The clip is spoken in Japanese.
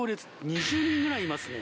２０人ぐらいいますね。